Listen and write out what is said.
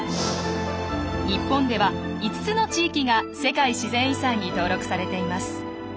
日本では５つの地域が世界自然遺産に登録されています。